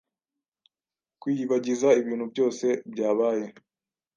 Kwiyibagiza ibintu byose byabaye